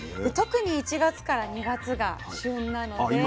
特に１月から２月が旬なので。